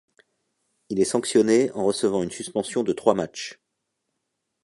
Il est sanctionné en recevant une suspension de trois matchs.